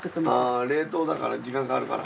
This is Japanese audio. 冷凍だから時間かかるから。